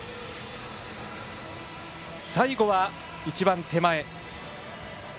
最後は、一番手前。